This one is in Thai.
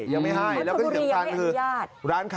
ยังไม่ให้แล้วก็เรียกการระยะกันคือร้านขาก็ข้าวชนบุรียังไม่อนิยาต